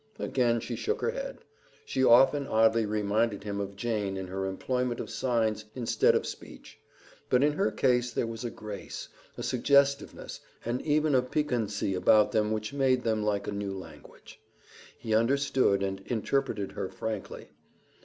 Again she shook her head. She often oddly reminded him of Jane in her employment of signs instead of speech, but in her case there was a grace, a suggestiveness, and even a piquancy about them which made them like a new language. He understood and interpreted her frankly.